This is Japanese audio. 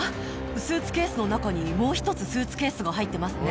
スーツケースの中にもう１つスーツケースが入ってますね。